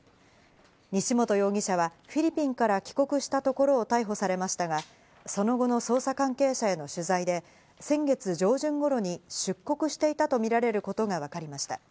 西本容疑者はフィリピンから帰国したところを逮捕されましたが、その後の捜査関係者への取材で、先月上旬頃に出国していたとみられることがわかりました。